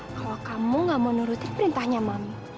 kalau kamu gak mau nurutin perintahnya mami